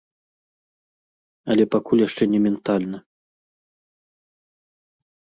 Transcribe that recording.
Але пакуль яшчэ не ментальна.